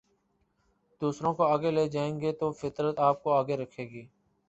دوسروں کو آگے لے جائیں گے تو فطرت آپ کو آگے رکھے گی